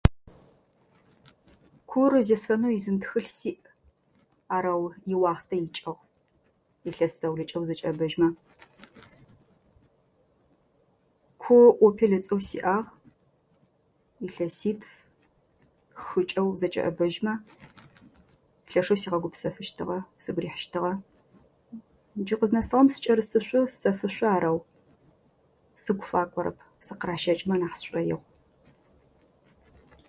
Кур зесфэнэу изын тхылъ сиӏ. Арэу и уахътэ икӏыгъ, илъэс заулэкӏэ узэкӏэӏэбэжьмэ. Ку «опель» ыцӏэу сиӏагъ, илъэситф-хыкӏэ узэкӏэбэжьымэ. Лъэшэу сигъэгупсэфэщтыгъэ, сыгу рихьыщтыгъэ. Джы къызнэсыгъэм сыкӏэрысышъоу, сэфышъу арау сыгу факӏорэп. Сыкъыращэкӏымэ нахь сшӏоигъу.